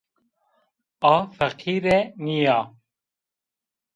A feqîre nîya